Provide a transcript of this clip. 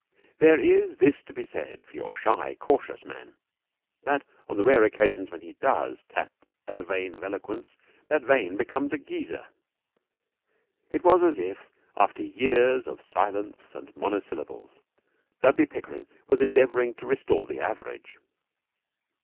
There is this to be said for your shy, cautious man, that on the rare occasions when he does tap the vein of eloquence that vein becomes a geyser. It was as if after years of silence and monosyllables Dudley Pickering was endeavouring to restore the average.